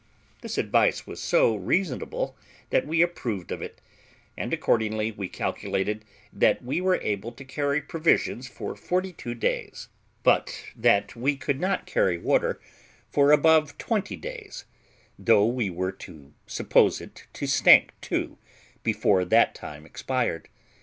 This advice was so reasonable that we all approved of it; and accordingly we calculated that we were able to carry provisions for forty two days, but that we could not carry water for above twenty days, though we were to suppose it to stink, too, before that time expired.